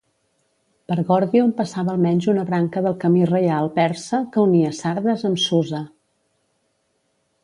Per Gòrdion passava almenys una branca del camí reial persa que unia Sardes amb Susa.